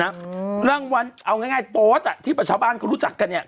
นะรางวัลเอาง่ายโต๊ดอ่ะที่ประชาบ้านก็รู้จักกันเนี่ย